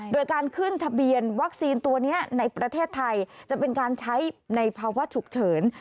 โดยการขึ้นทะเบียนวัคซีนตัวนี้ในประเทศไทยจะเป็นการใช้ในภาวะฉุกเฉิน